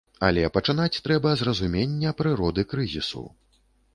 Але пачынаць трэба з разумення прыроды крызісу.